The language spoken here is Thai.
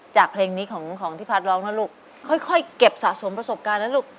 เพลงนี้ของพี่พัฒน์ร้องนะลูกค่อยเก็บสะสมประสบการณ์นะลูก